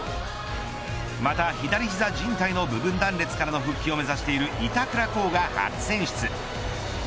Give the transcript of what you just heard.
また左膝靭帯の部分断裂からの復帰を目指している板倉滉が初選出。